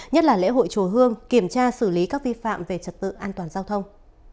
nhất là lễ hội chùa hương kiểm tra xử lý các vi phạm về trật tự an toàn giao thông